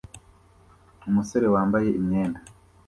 Umusore wambaye imyenda